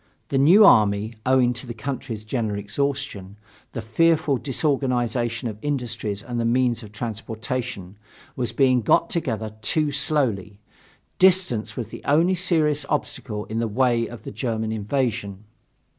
The new army, owing to the country's general exhaustion, the fearful disorganization of industries and the means of transportation, was being got together too slowly. Distance was the only serious obstacle in the way of the German invasion.